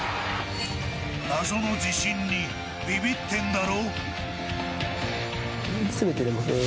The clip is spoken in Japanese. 謎の自信にびびってんだろ？